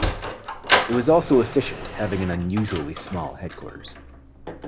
It was also efficient, having an unusually small headquarters.